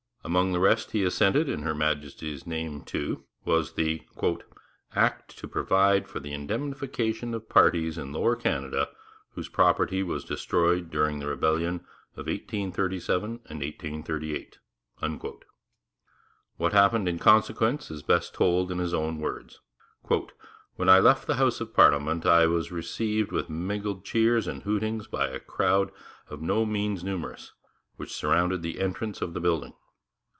Among the rest he assented in Her Majesty's name to the 'Act to provide for the indemnification of parties in Lower Canada whose property was destroyed during the Rebellion of 1837 and 1838.' What happened in consequence is best told in his own words. 'When I left the House of Parliament, I was received with mingled cheers and hootings by a crowd by no means numerous, which surrounded the entrance of the building.